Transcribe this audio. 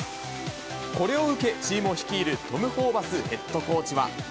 これを受け、チームを率いるトム・ホーバスヘッドコーチは。